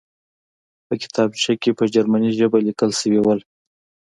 په کتابچه کې په جرمني ژبه لیکل شوي وو